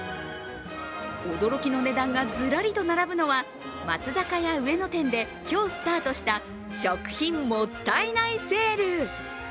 驚きの値段がずらりと並ぶのは松坂屋上野店で今日スタートした食品もったいないセール。